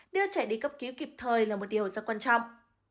đưa trẻ đi cấp cứu kịp thời là một điều rất quan trọng